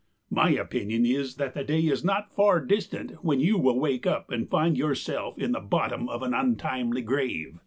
My opinion is that the day is not far distant when you will wake up and find yourself in the bottom of an untimely grave.